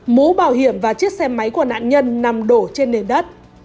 mũ bảo hiểm và chiếc xe máy của nạn nhân nằm đổ trên nền đất